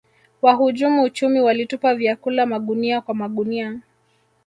wahujumu uchumi walitupa vyakula magunia kwa magunia